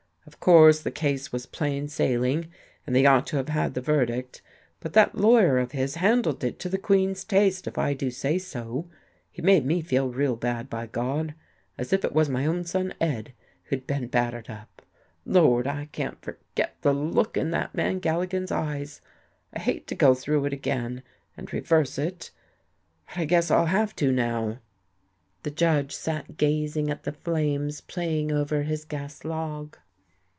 Of course the case was plain sailing, and they ought to have had the verdict, but that lawyer of his handled it to the queen's taste, if I do say so. He made me feel real bad, by God, as if it was my own son Ed who'd been battered up. Lord, I can't forget the look in that man Galligan's eyes. I hate to go through it again, and reverse it, but I guess I'll have to, now." The Judge sat gazing at the flames playing over his gas log.